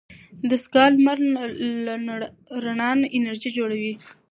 دستګاه د لمر له رڼا انرژي جوړوي.